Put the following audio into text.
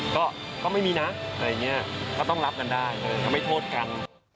ก็ไม่มีนะอะไรอย่างนี้ก็ต้องรับกันได้ทำให้โทษกัน